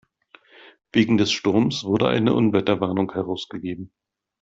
Wegen des Sturmes wurde eine Unwetterwarnung herausgegeben.